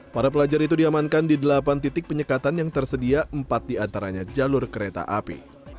para pelajar itu diamankan di delapan titik penyekatan yang tersedia empat diantaranya jalur kereta api